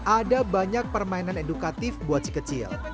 ada banyak permainan edukatif buat si kecil